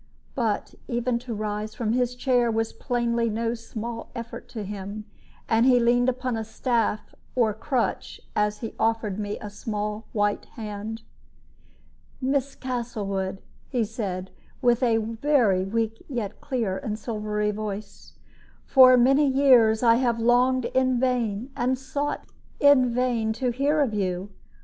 But even to rise from his chair was plainly no small effort to him, and he leaned upon a staff or crutch as he offered me a small white hand. "Miss Castlewood," he said, with a very weak yet clear and silvery voice, "for many years I have longed in vain and sought in vain to hear of you.